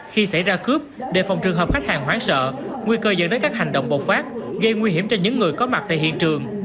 khi xảy ra cướp đề phòng trường hợp khách hàng hoán sợ nguy cơ dẫn đến các hành động bột phát gây nguy hiểm cho những người có mặt tại hiện trường